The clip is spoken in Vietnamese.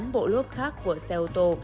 tám bộ lốt khác của xe ô tô